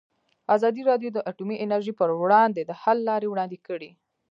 ازادي راډیو د اټومي انرژي پر وړاندې د حل لارې وړاندې کړي.